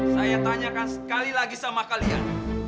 saya tanyakan sekali lagi sama kalian